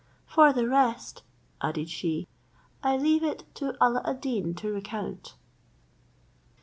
"For the rest," added she, "I leave it to Alla ad Deen to recount."